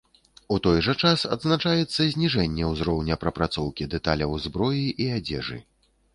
У той жа час адзначаецца зніжэнне ўзроўня прапрацоўкі дэталяў зброі і адзежы.